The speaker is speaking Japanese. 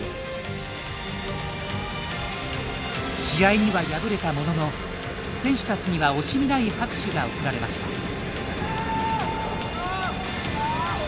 試合には敗れたものの選手たちには惜しみない拍手が送られました。